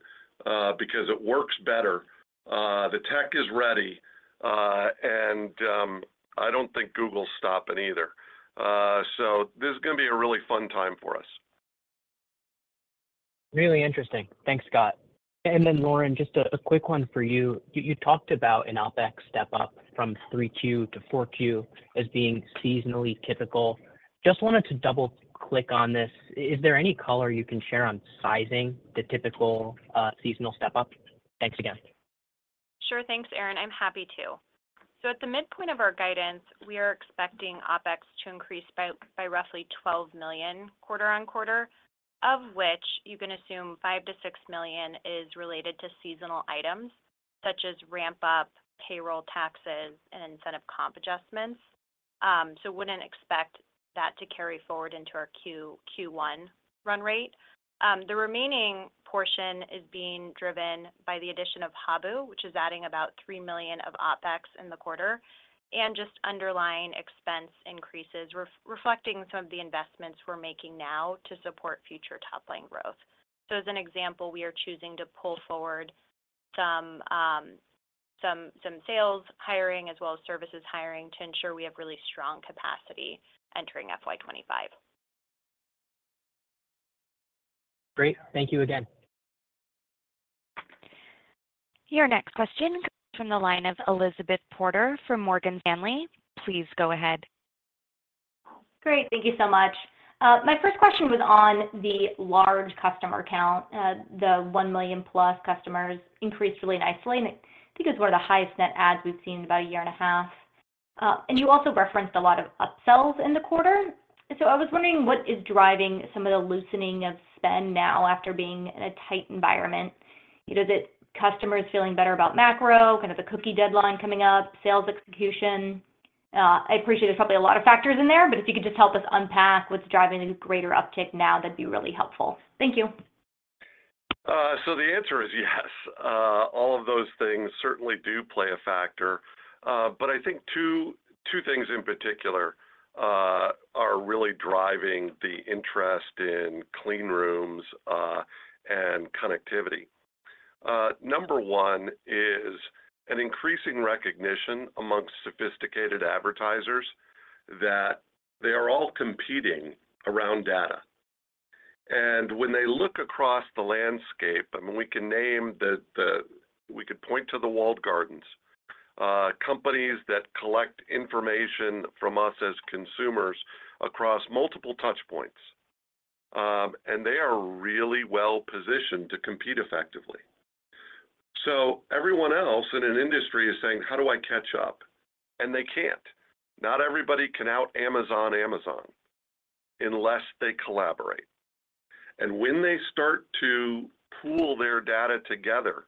because it works better. The tech is ready. And I don't think Google's stopping either. So this is going to be a really fun time for us. Really interesting. Thanks, Scott. And then, Lauren, just a quick one for you. You talked about an OPEX step-up from 3Q to 4Q as being seasonally typical. Just wanted to double-click on this. Is there any color you can share on sizing the typical seasonal step-up? Thanks again. Sure. Thanks, Aaron. I'm happy to. So at the midpoint of our guidance, we are expecting OPEX to increase by roughly $12 million quarter-on-quarter, of which you can assume $5 million-$6 million is related to seasonal items such as RampUp, payroll taxes, and incentive comp adjustments. So wouldn't expect that to carry forward into our Q1 run rate. The remaining portion is being driven by the addition of Habu, which is adding about $3 million of OPEX in the quarter and just underlying expense increases reflecting some of the investments we're making now to support future top-line growth. So as an example, we are choosing to pull forward some sales hiring as well as services hiring to ensure we have really strong capacity entering FY 2025. Great. Thank you again. Your next question comes from the line of Elizabeth Porter from Morgan Stanley. Please go ahead. Great. Thank you so much. My first question was on the large customer count, the one million-plus customers, increased really nicely. I think it's one of the highest net adds we've seen in about a year and a half. You also referenced a lot of upsells in the quarter. So I was wondering, what is driving some of the loosening of spend now after being in a tight environment? Is it customers feeling better about macro, kind of the cookie deadline coming up, sales execution? I appreciate there's probably a lot of factors in there, but if you could just help us unpack what's driving the greater uptick now, that'd be really helpful. Thank you. The answer is yes. All of those things certainly do play a factor. But I think two things in particular are really driving the interest in clean rooms and connectivity. Number one is an increasing recognition among sophisticated advertisers that they are all competing around data. And when they look across the landscape, I mean, we can name the we could point to the walled gardens, companies that collect information from us as consumers across multiple touchpoints. And they are really well positioned to compete effectively. So everyone else in an industry is saying, "How do I catch up?" And they can't. Not everybody can out-Amazon-Amazon unless they collaborate. And when they start to pool their data together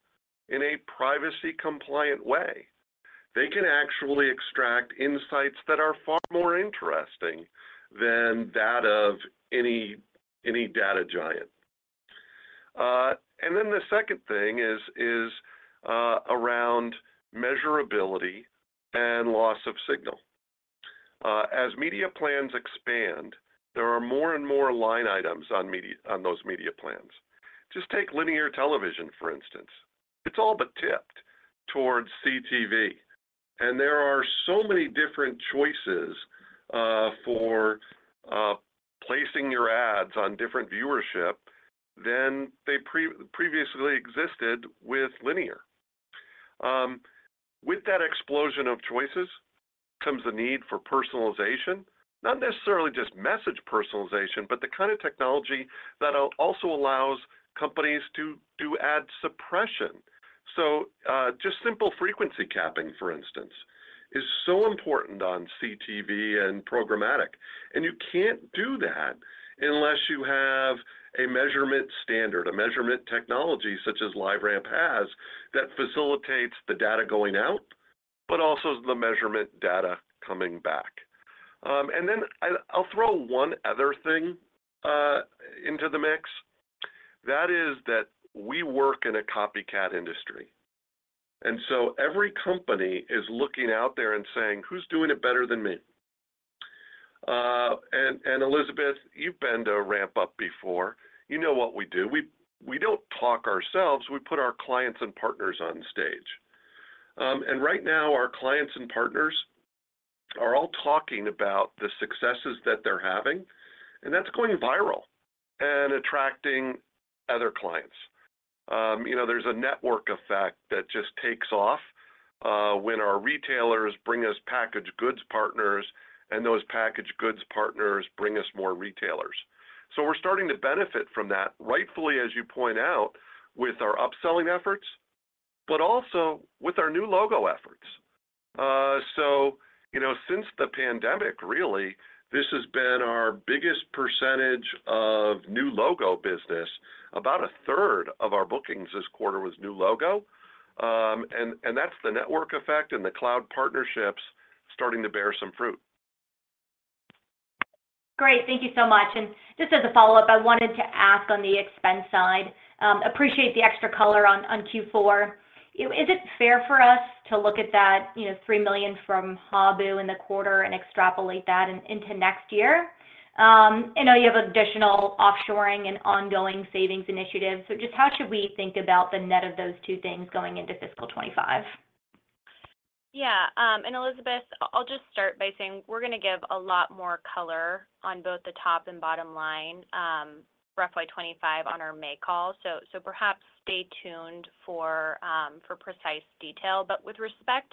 in a privacy-compliant way, they can actually extract insights that are far more interesting than that of any data giant. And then the second thing is around measurability and loss of signal. As media plans expand, there are more and more line items on those media plans. Just take linear television, for instance. It's all but tipped towards CTV. There are so many different choices for placing your ads on different viewership than they previously existed with linear. With that explosion of choices comes the need for personalization, not necessarily just message personalization, but the kind of technology that also allows companies to do ad suppression. Just simple frequency capping, for instance, is so important on CTV and programmatic. You can't do that unless you have a measurement standard, a measurement technology such as LiveRamp has that facilitates the data going out but also the measurement data coming back. Then I'll throw one other thing into the mix. That is that we work in a copycat industry. Every company is looking out there and saying, "Who's doing it better than me?" Elizabeth, you've been to a RampUp before. You know what we do. We don't talk ourselves. We put our clients and partners on stage. Right now, our clients and partners are all talking about the successes that they're having. That's going viral and attracting other clients. There's a network effect that just takes off when our retailers bring us packaged goods partners, and those packaged goods partners bring us more retailers. We're starting to benefit from that, rightfully, as you point out, with our upselling efforts, but also with our new logo efforts. Since the pandemic, really, this has been our biggest percentage of new logo business. About a third of our bookings this quarter was new logo. That's the network effect and the cloud partnerships starting to bear some fruit. Great. Thank you so much. Just as a follow-up, I wanted to ask on the expense side, appreciate the extra color on Q4. Is it fair for us to look at that $3 million from Habu in the quarter and extrapolate that into next year? You have additional offshoring and ongoing savings initiatives. So just how should we think about the net of those two things going into fiscal year 2025? Yeah. And Elizabeth, I'll just start by saying we're going to give a lot more color on both the top and bottom line for FY 2025 on our May call. So perhaps stay tuned for precise detail. But with respect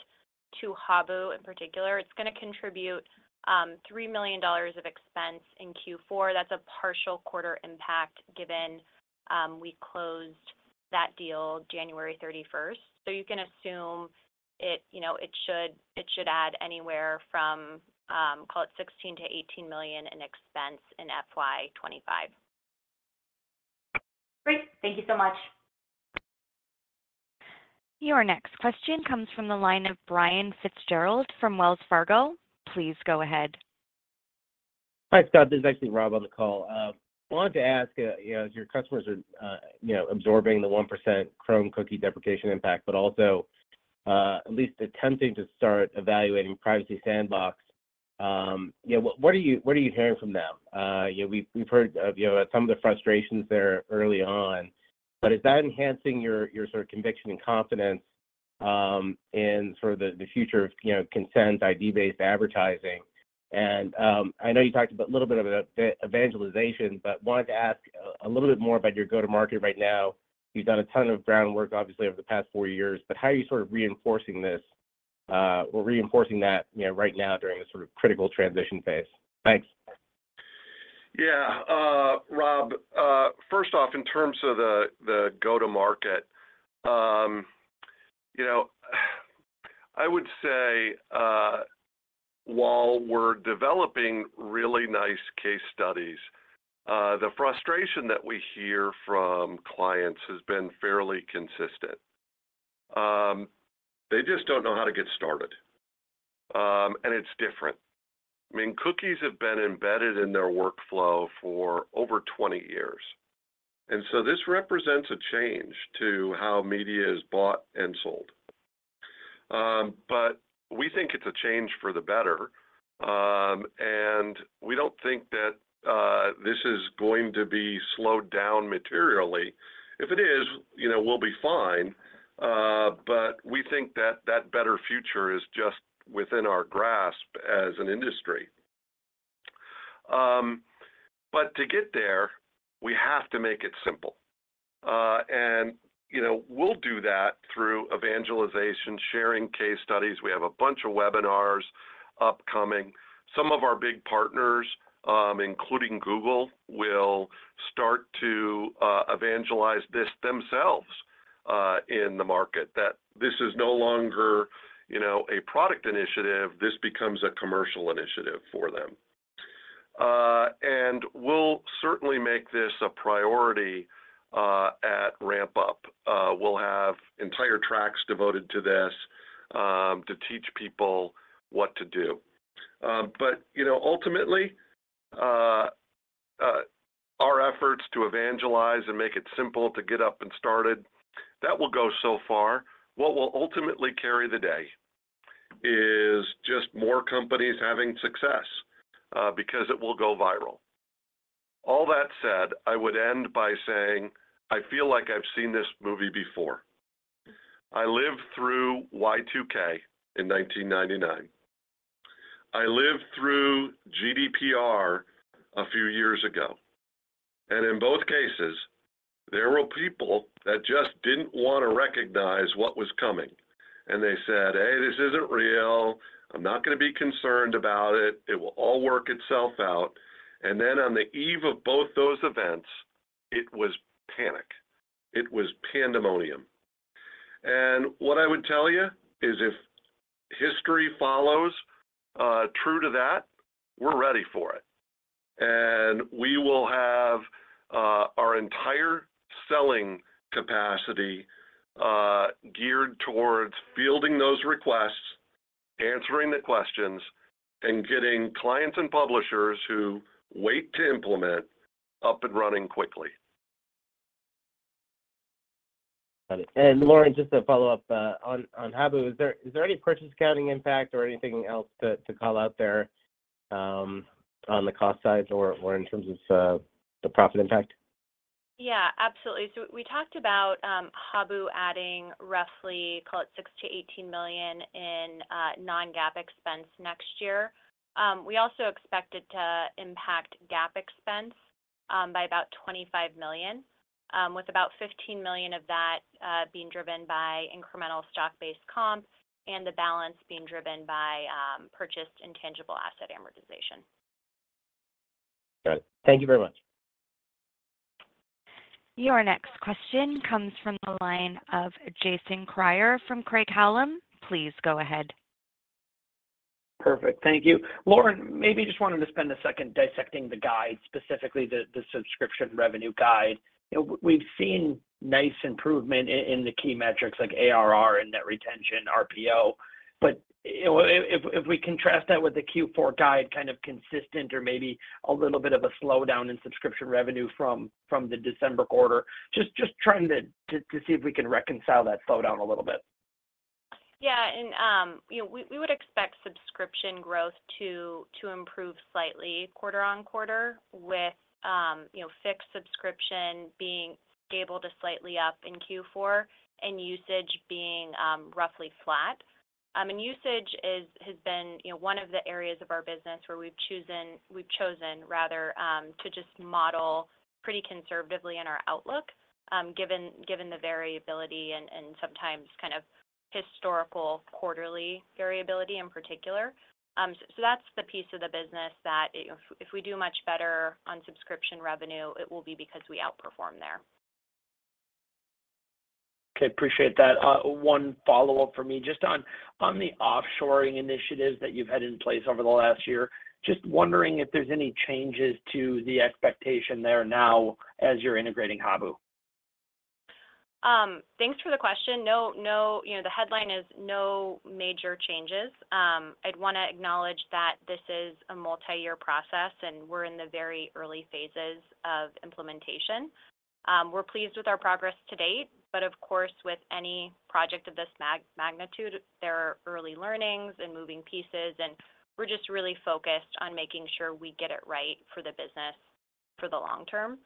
to Habu in particular, it's going to contribute $3 million of expense in Q4. That's a partial quarter impact given we closed that deal January 31st.So you can assume it should add anywhere from, call it, $16 million-$18 million in expense in FY 2025. Great. Thank you so much. Your next question comes from the line of Brian Fitzgerald from Wells Fargo. Please go ahead. Hi, Scott. This is actually Rob on the call. I wanted to ask, as your customers are absorbing the 1% Chrome cookie deprecation impact but also at least attempting to start evaluating Privacy Sandbox, what are you hearing from them? We've heard of some of the frustrations there early on. But is that enhancing your sort of conviction and confidence in sort of the future of consent, ID-based advertising? And I know you talked a little bit about evangelization, but wanted to ask a little bit more about your go-to-market right now. You've done a ton of groundwork, obviously, over the past four years. But how are you sort of reinforcing this or reinforcing that right now during this sort of critical transition phase? Thanks. Yeah. Rob, first off, in terms of the go-to-market, I would say while we're developing really nice case studies, the frustration that we hear from clients has been fairly consistent. They just don't know how to get started. And it's different. I mean, cookies have been embedded in their workflow for over 20 years. And so this represents a change to how media is bought and sold. But we think it's a change for the better. And we don't think that this is going to be slowed down materially. If it is, we'll be fine. But we think that that better future is just within our grasp as an industry. But to get there, we have to make it simple. And we'll do that through evangelization, sharing case studies. We have a bunch of webinars upcoming. Some of our big partners, including Google, will start to evangelize this themselves in the market, that this is no longer a product initiative. This becomes a commercial initiative for them. And we'll certainly make this a priority at RampUp. We'll have entire tracks devoted to this to teach people what to do. But ultimately, our efforts to evangelize and make it simple to get up and started, that will go so far. What will ultimately carry the day is just more companies having success because it will go viral. All that said, I would end by saying I feel like I've seen this movie before. I lived through Y2K in 1999. I lived through GDPR a few years ago. And in both cases, there were people that just didn't want to recognize what was coming. And they said, "Hey, this isn't real. I'm not going to be concerned about it. It will all work itself out." And then on the eve of both those events, it was panic. It was pandemonium. And what I would tell you is if history follows true to that, we're ready for it. And we will have our entire selling capacity geared towards fielding those requests, answering the questions, and getting clients and publishers who wait to implement up and running quickly. Got it. And Lauren, just a follow-up on Habu, is there any purchase accounting impact or anything else to call out there on the cost side or in terms of the profit impact? Yeah. Absolutely. So we talked about Habu adding roughly, call it, $6 million-$18 million in non-GAAP expense next year. We also expect it to impact GAAP expense by about $25 million, with about $15 million of that being driven by incremental stock-based comp and the balance being driven by purchased intangible asset amortization. Got it. Thank you very much. Your next question comes from the line of Jason Kreyer from Craig-Hallum. Please go ahead. Perfect. Thank you. Lauren, maybe just wanted to spend a second dissecting the guide, specifically the subscription revenue guide. We've seen nice improvement in the key metrics like ARR and net retention, RPO. But if we contrast that with the Q4 guide, kind of consistent or maybe a little bit of a slowdown in subscription revenue from the December quarter, just trying to see if we can reconcile that slowdown a little bit. Yeah.We would expect subscription growth to improve slightly quarter-over-quarter with fixed subscription being stable to slightly up in Q4 and usage being roughly flat. Usage has been one of the areas of our business where we've chosen rather to just model pretty conservatively in our outlook given the variability and sometimes kind of historical quarterly variability in particular. That's the piece of the business that if we do much better on subscription revenue, it will be because we outperform there. Okay. Appreciate that. One follow-up for me. Just on the offshoring initiatives that you've had in place over the last year, just wondering if there's any changes to the expectation there now as you're integrating Habu. Thanks for the question. The headline is no major changes. I'd want to acknowledge that this is a multi-year process, and we're in the very early phases of implementation. We're pleased with our progress to date. But of course, with any project of this magnitude, there are early learnings and moving pieces. We're just really focused on making sure we get it right for the business for the long term.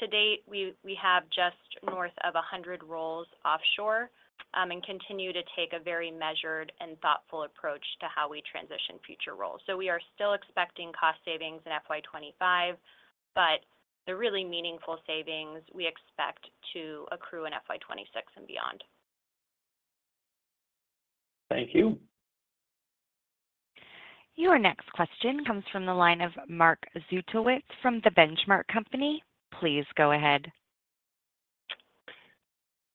To date, we have just north of 100 roles offshore and continue to take a very measured and thoughtful approach to how we transition future roles. We are still expecting cost savings in FY 2025, but the really meaningful savings, we expect to accrue in FY 2026 and beyond. Thank you. Your next question comes from the line of Mark Zgutowicz from The Benchmark Company. Please go ahead.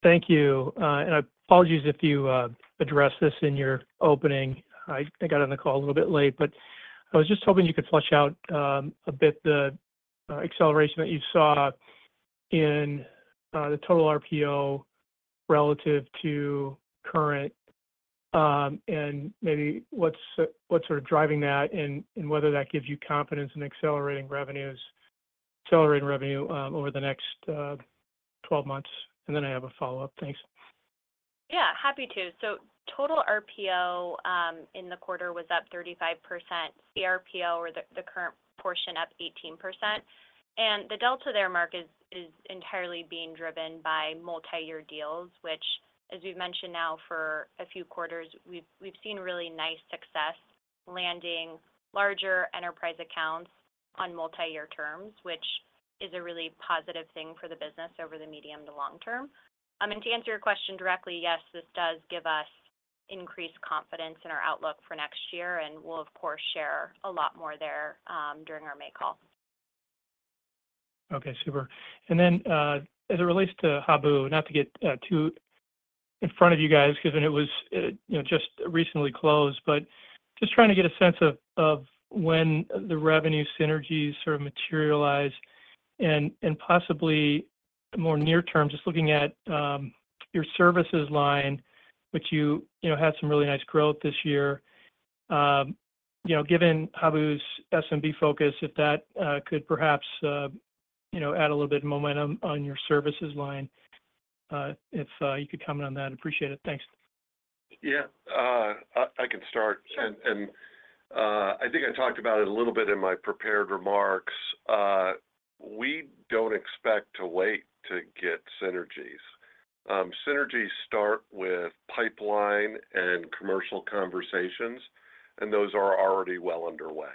Thank you. And I apologize if you addressed this in your opening. I got on the call a little bit late. But I was just hoping you could flesh out a bit the acceleration that you saw in the total RPO relative to current and maybe what's sort of driving that and whether that gives you confidence in accelerating revenue over the next 12 months. And then I have a follow-up. Thanks. Yeah. Happy to. So total RPO in the quarter was up 35%. CRPO or the current portion up 18%. And the delta there, Mark, is entirely being driven by multi-year deals, which, as we've mentioned now for a few quarters, we've seen really nice success landing larger enterprise accounts on multi-year terms, which is a really positive thing for the business over the medium to long term. And to answer your question directly, yes, this does give us increased confidence in our outlook for next year. And we'll, of course, share a lot more there during our May call. Okay. Super. And then as it relates to Habu, not to get too in front of you guys because then it was just recently closed, but just trying to get a sense of when the revenue synergies sort of materialize and possibly more near term, just looking at your services line, which you had some really nice growth this year. Given Habu's SMB focus, if that could perhaps add a little bit of momentum on your services line, if you could comment on that. Appreciate it. Thanks. Yeah. I can start. I think I talked about it a little bit in my prepared remarks. We don't expect to wait to get synergies. Synergies start with pipeline and commercial conversations, and those are already well underway.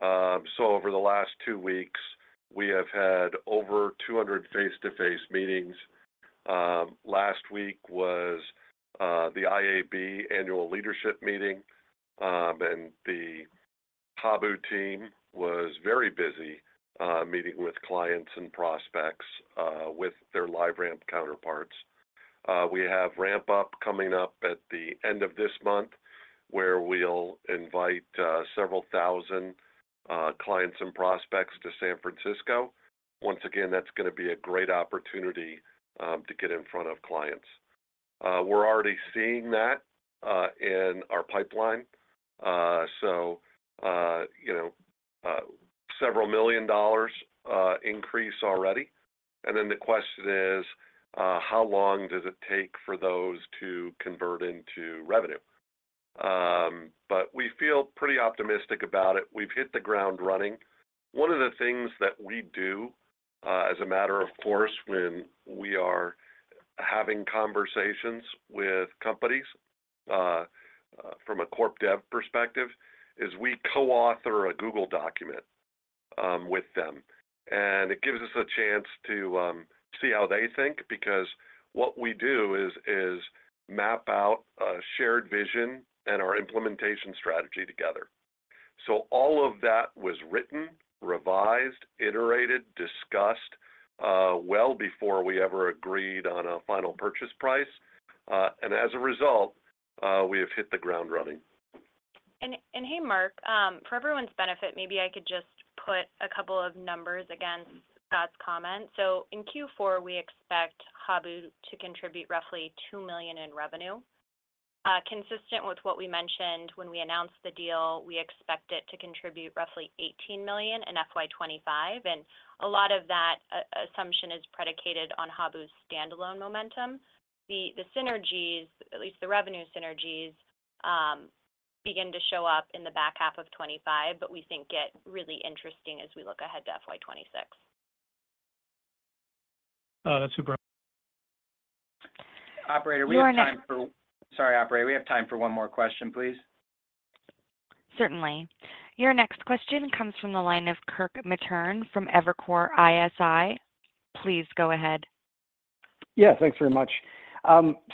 So over the last two weeks, we have had over 200 face-to-face meetings. Last week was the IAB Annual Leadership Meeting. The Habu team was very busy meeting with clients and prospects with their LiveRamp counterparts. We have RampUp coming up at the end of this month where we'll invite several thousand clients and prospects to San Francisco. Once again, that's going to be a great opportunity to get in front of clients. We're already seeing that in our pipeline. So several million dollars increase already. And then the question is, how long does it take for those to convert into revenue? But we feel pretty optimistic about it. We've hit the ground running. One of the things that we do as a matter of course, when we are having conversations with companies from a corp dev perspective, is we co-author a Google document with them. It gives us a chance to see how they think because what we do is map out a shared vision and our implementation strategy together. So all of that was written, revised, iterated, discussed well before we ever agreed on a final purchase price. As a result, we have hit the ground running. And hey, Mark, for everyone's benefit, maybe I could just put a couple of numbers against Scott's comment. So in Q4, we expect Habu to contribute roughly $2 million in revenue. Consistent with what we mentioned when we announced the deal, we expect it to contribute roughly $18 million in FY 2025. And a lot of that assumption is predicated on Habu's standalone momentum. The synergies, at least the revenue synergies, begin to show up in the back half of 2025, but we think get really interesting as we look ahead to FY 2026. That's super. Operator, we have time for one more question, please. Certainly. Your next question comes from the line of Kirk Materne from Evercore ISI. Please go ahead. Yeah. Thanks very much.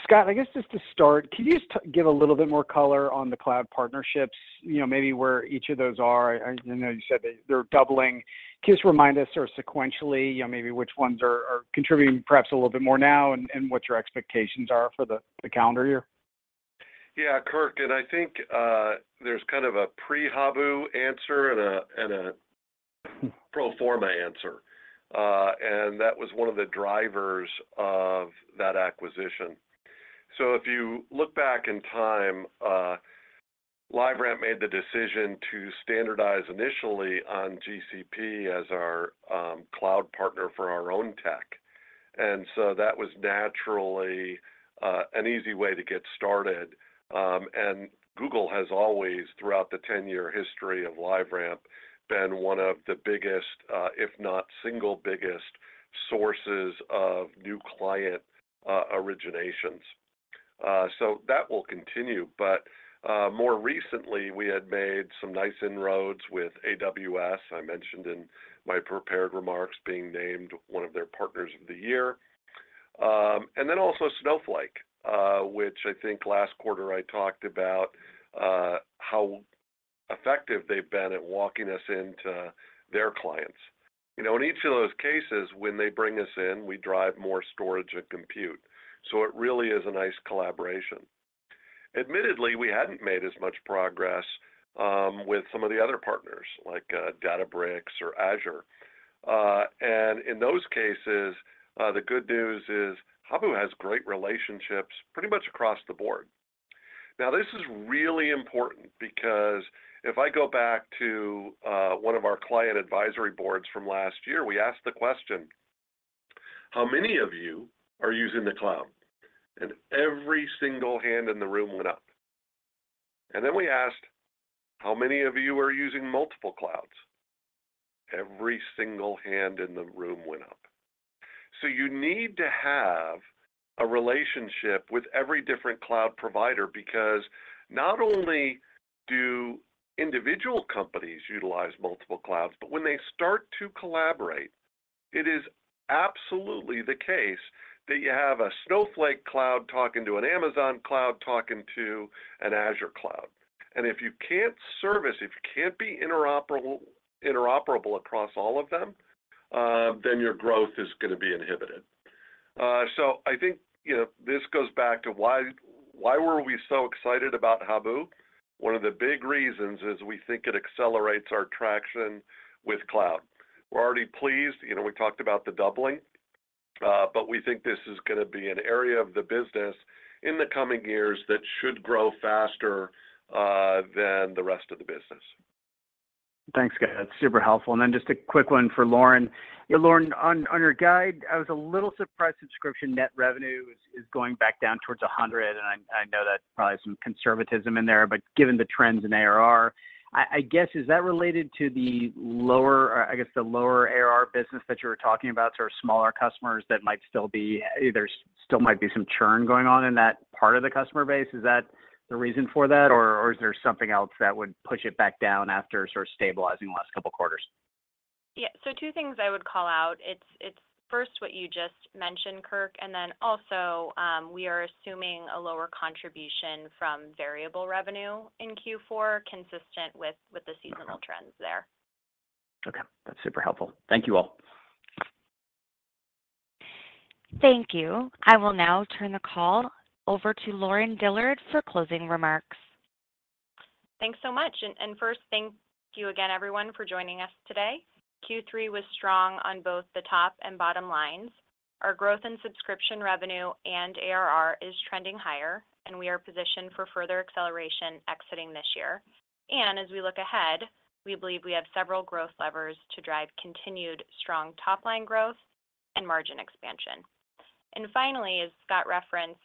Scott, I guess just to start, can you just give a little bit more color on the cloud partnerships, maybe where each of those are? I know you said they're doubling. Can you just remind us sort of sequentially maybe which ones are contributing perhaps a little bit more now and what your expectations are for the calendar year? Yeah, Kirk. I think there's kind of a pre-Habu answer and a pro forma answer. That was one of the drivers of that acquisition. So if you look back in time, LiveRamp made the decision to standardize initially on GCP as our cloud partner for our own tech. So that was naturally an easy way to get started. Google has always, throughout the 10-year history of LiveRamp, been one of the biggest, if not single biggest, sources of new client originations. That will continue. But more recently, we had made some nice inroads with AWS. I mentioned in my prepared remarks being named one of their partners of the year. Then also Snowflake, which I think last quarter I talked about how effective they've been at walking us into their clients. In each of those cases, when they bring us in, we drive more storage and compute. It really is a nice collaboration. Admittedly, we hadn't made as much progress with some of the other partners like Databricks or Azure. In those cases, the good news is Habu has great relationships pretty much across the board. Now, this is really important because if I go back to one of our client advisory boards from last year, we asked the question, "How many of you are using the cloud?" And every single hand in the room went up. And then we asked, "How many of you are using multiple clouds?" Every single hand in the room went up. So you need to have a relationship with every different cloud provider because not only do individual companies utilize multiple clouds, but when they start to collaborate, it is absolutely the case that you have a Snowflake cloud talking to an Amazon cloud talking to an Azure cloud. And if you can't service, if you can't be interoperable across all of them, then your growth is going to be inhibited. So I think this goes back to why were we so excited about Habu? One of the big reasons is we think it accelerates our traction with cloud. We're already pleased. We talked about the doubling. But we think this is going to be an area of the business in the coming years that should grow faster than the rest of the business. Thanks, Scott. That's super helpful. And then just a quick one for Lauren. Lauren, on your guide, I was a little surprised subscription net revenue is going back down towards 100. And I know that's probably some conservatism in there. But given the trends in ARR, I guess, is that related to the lower I guess the lower ARR business that you were talking about, sort of smaller customers that might still be there still might be some churn going on in that part of the customer base? Is that the reason for that, or is there something else that would push it back down after sort of stabilizing the last couple of quarters? Yeah. So two things I would call out. It's first what you just mentioned, Kirk, and then also we are assuming a lower contribution from variable revenue in Q4, consistent with the seasonal trends there. Okay.That's super helpful. Thank you all. Thank you. I will now turn the call over to Lauren Dillard for closing remarks. Thanks so much. First, thank you again, everyone, for joining us today. Q3 was strong on both the top and bottom lines. Our growth in subscription revenue and ARR is trending higher, and we are positioned for further acceleration exiting this year. As we look ahead, we believe we have several growth levers to drive continued strong top-line growth and margin expansion. Finally, as Scott referenced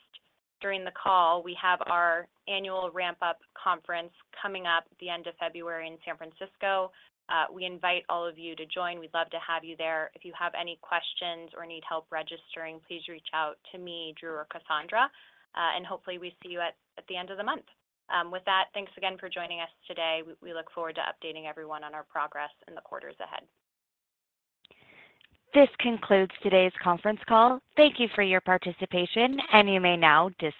during the call, we have our annual RampUp conference coming up the end of February in San Francisco. We invite all of you to join. We'd love to have you there. If you have any questions or need help registering, please reach out to me, Drew, or Cassandra. Hopefully, we see you at the end of the month. With that, thanks again for joining us today. We look forward to updating everyone on our progress in the quarters ahead. This concludes today's conference call. Thank you for your participation, and you may now disconnect.